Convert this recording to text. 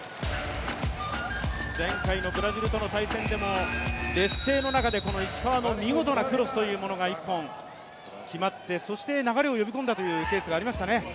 前回のブラジルの対戦でも劣勢の中でこの石川の見事なクロスが１本決まって、そして流れを呼び込んだというケースがありましたね。